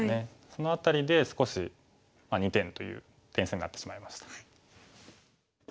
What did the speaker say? その辺りで少し２点という点数になってしまいました。